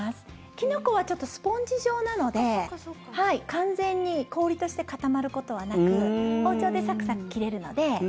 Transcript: キノコはちょっとスポンジ状なので完全に氷として固まることはなく包丁でサクサク切れるので。